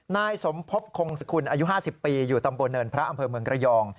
นายสมภพคงสกุลอายุ๕๐ปีอยู่ตำบลเนินพระอำเภอเมืองระยอง